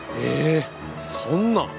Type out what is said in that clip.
えそんな。